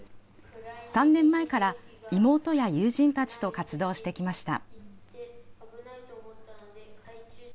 ３年前から、妹や友人たちと活動してきました。